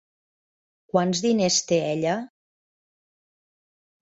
Quants diners té ella?